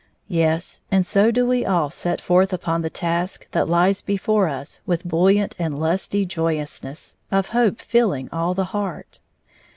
Yes; and so do we all set forth upon the task that lies before us with buoyant and lusty joy ousness of hope fiUing all the heart.